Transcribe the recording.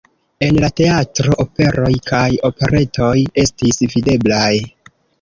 En la teatro operoj kaj operetoj estis videblaj.